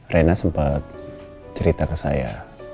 rena sempat cerita ke saya